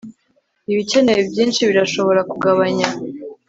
ibikenewe byinshi birashobora kugabanya